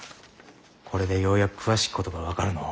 これでようやく詳しきことが分かるのう。